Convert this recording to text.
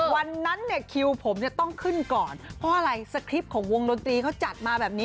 วันนั้นเนี่ยคิวผมเนี่ยต้องขึ้นก่อนเพราะอะไรสคริปต์ของวงดนตรีเขาจัดมาแบบนี้